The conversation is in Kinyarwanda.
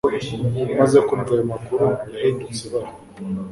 Amaze kumva ayo makuru, yahindutse ibara